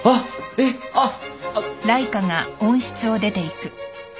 えっあっ。